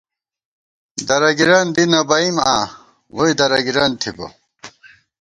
درَگِرَن دِی نہ بَئیم آں ، ووئی درَگِرَن تھِبہ